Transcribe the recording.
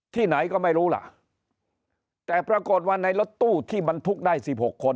ที่ไหนก็ไม่รู้ล่ะแต่ปรากฏว่าในรถตู้ที่บรรทุกได้สิบหกคน